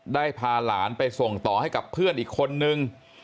ได้พาหลานไปส่งต่อให้กับเพื่อนอีกคนนึง